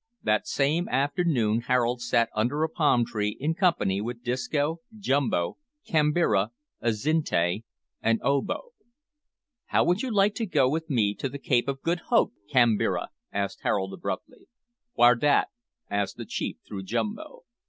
That same afternoon Harold sat under a palm tree in company with Disco, Jumbo, Kambira, Azinte, and Obo. "How would you like to go with me to the Cape of Good Hope, Kambira?" asked Harold abruptly. "Whar dat?" asked the chief through Jumbo.